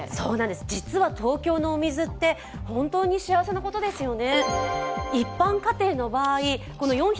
実は東京のお水って本当に幸せなことですよね。